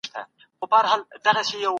موږ په ناسم لوري روان وو.